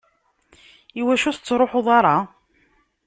Iwacu ur tettruḥeḍ ara?